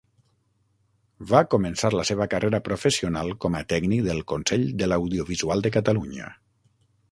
Va començar la seva carrera professional com a tècnic del Consell de l'Audiovisual de Catalunya.